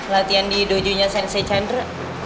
latihan di dojunya sensi chandra